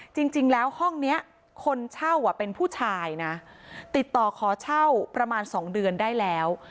จริงแล้วห้องนี้คนเช่าเป็นผู้ชายนะติดต่อขอเช่าประมาณสองเดือนได้แล้ว